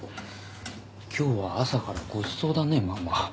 今日は朝からごちそうだねママ。